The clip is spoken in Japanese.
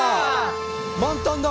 満タンだ！